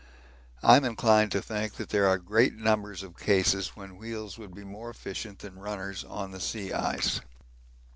I'm inclined to think that there are great numbers of cases when wheels would be more efficient than runners on the sea ice.